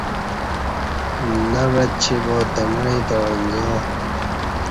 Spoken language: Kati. نہ وعچی با دمعی تہ عنزا